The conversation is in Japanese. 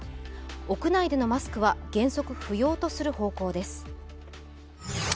屋内でのマスクは原則不要とする方向です。